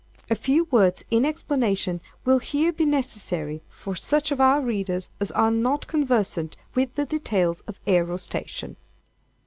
A few words, in explanation, will here be necessary for such of our readers as are not conversant with the details of aerostation.